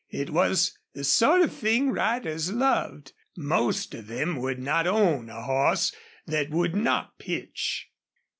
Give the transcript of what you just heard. It was the sort of thing riders loved. Most of them would not own a horse that would not pitch.